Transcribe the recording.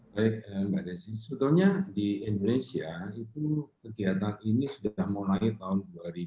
baik mbak desi sebetulnya di indonesia itu kegiatan ini sudah mulai tahun dua ribu dua